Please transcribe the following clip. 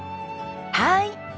はい。